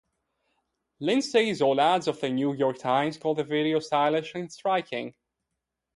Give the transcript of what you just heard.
Lindsay Zoladz of "The New York Times" called the video "stylish" and "striking".